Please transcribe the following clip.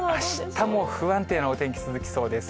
あしたも不安定なお天気、続きそうです。